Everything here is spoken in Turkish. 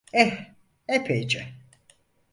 Eh, epeyce!